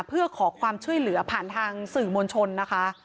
เพื่อขอความช่วยเหลือผ่านทางสื่อมวลชนนะคะ